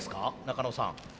中野さん。